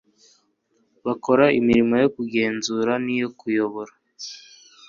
bakora imirimo yo kugenzura n'iyo kuyobora